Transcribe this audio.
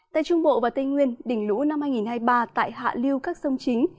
tại trung bộ và tây nguyên đỉnh lũ năm hai nghìn hai mươi ba tại hạ lưu các sông chính